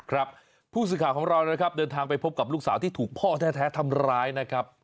ครับผู้สื่อข่าวของเรานะครับเดินทางไปพบกับลูกสาวที่ถูกพ่อแท้ทำร้ายนะครับ